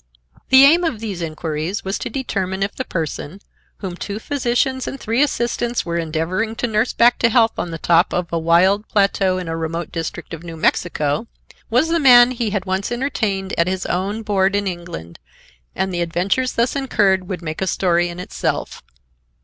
The aim of these inquiries was to determine if the person, whom two physicians and three assistants were endeavoring to nurse back to health on the top of a wild plateau in a remote district of New Mexico, was the man he had once entertained at his own board in England, and the adventures thus incurred would make a story in itself.